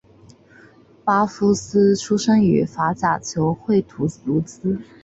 巴夫斯出身于法甲球会图卢兹。